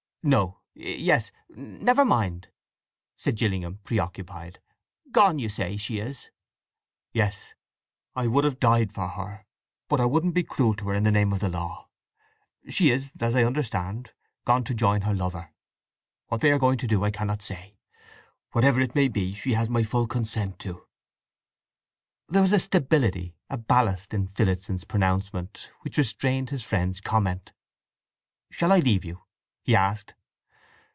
"No—yes—never mind," said Gillingham, preoccupied. "Gone, you say she is?" "Yes… I would have died for her; but I wouldn't be cruel to her in the name of the law. She is, as I understand, gone to join her lover. What they are going to do I cannot say. Whatever it may be she has my full consent to." There was a stability, a ballast, in Phillotson's pronouncement which restrained his friend's comment. "Shall I—leave you?" he asked.